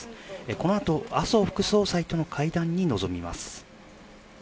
この後、麻生副総裁との会談に臨みます。